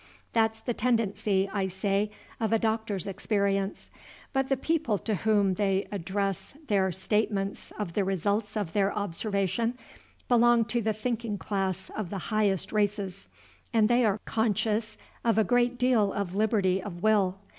That's the tendency, I say, of a doctor's experience. But the people to whom they address their statements of the results of their observation belong to the thinking class of the highest races, and they are conscious of a great deal of liberty of will.